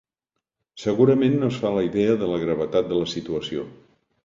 Segurament, no es fa a la idea de la gravetat de la situació.